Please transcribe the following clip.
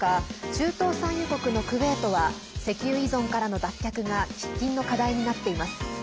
中東産油国のクウェートは石油依存からの脱却が喫緊の課題になっています。